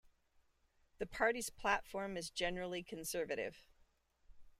The Party's platform is generally conservative.